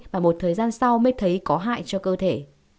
và một thời gian sau mới thấy có hại cho cơ thể